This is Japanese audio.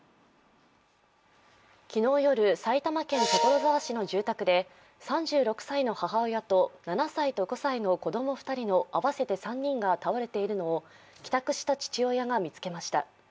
昨日夜、埼玉県所沢市の住宅で３６歳の母親と７歳と５歳の子供２人の合わせて３人が倒れているのを帰宅した父親が見つけました。